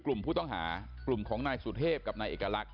กลุ่มผู้ต้องหากลุ่มของนายสุเทพกับนายเอกลักษ